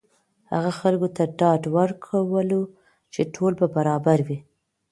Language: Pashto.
هغه خلکو ته ډاډ ورکولو چې ټول به برابر وي.